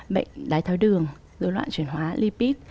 bệnh đái tháo đường dối loạn chuyển hóa lipid